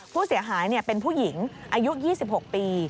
ผู้เสียหายเป็นผู้หญิงอายุ๒๖ปี